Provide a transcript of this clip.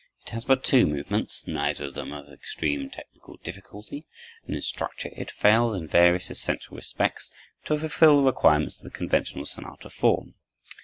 It has but two movements, neither of them of extreme technical difficulty, and in structure it fails, in various essential respects, to fulfil the requirements of the conventional sonata form.